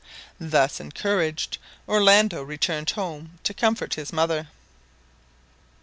Thus encouraged, Orlando returned home to comfort his mother.